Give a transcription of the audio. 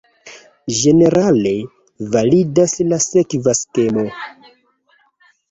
Ĝenerale validas la sekva skemo.